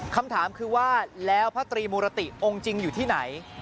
คำถามคือว่าแล้วพระตรีมุรติองค์จริงอยู่ที่ไหน